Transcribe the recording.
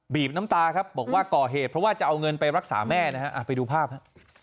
บน้ำตาครับบอกว่าก่อเหตุเพราะว่าจะเอาเงินไปรักษาแม่นะฮะไปดูภาพฮะ